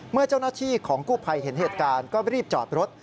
เมื่อเจ้าหน้าที่ของกู้ภัยเห็นเหตุการณ์ก็รีบจอดรถ